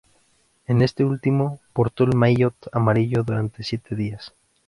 En este último, portó el maillot amarillo durante siete días.